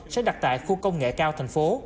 sẽ đặt tại khu công nghệ cao thành phố